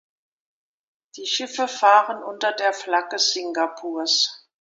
Die Schiffe fahren unter der Flagge Singapurs.